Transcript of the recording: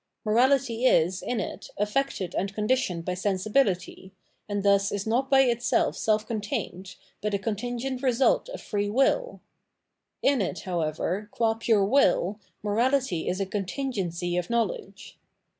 Morality is, in it, affected and conditioned by sensibihty, and thus is not by itself self contained, but a contingent result of free ■wiU ; in it, however, qua pure will, morality is a con tingency of knowledge.